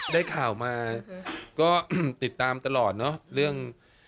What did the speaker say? ได้ข่าวมาก็ติดตามตลอดเนอะเรื่อง